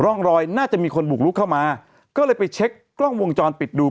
ร่องรอยน่าจะมีคนบุกลุกเข้ามาก็เลยไปเช็คกล้องวงจรปิดดู